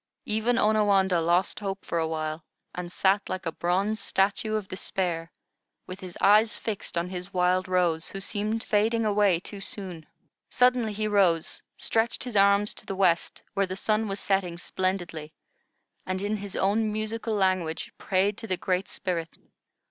Even Onawandah lost hope for a while, and sat like a bronze statue of despair, with his eyes fixed on his Wild Rose, who seemed fading away too soon. Suddenly he rose, stretched his arms to the west, where the sun was setting splendidly, and in his own musical language prayed to the Great Spirit.